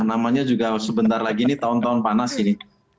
namanya juga sebentar lagi ini tahun tahun panas ini